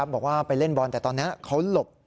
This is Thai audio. บอกว่าไปเล่นบอลแต่ตอนนั้นเขาหลบ